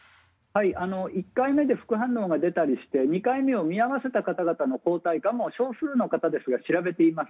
１回目で副反応が出たりして２回目を見合わせた方々の抗体も少数の方ですが調べています。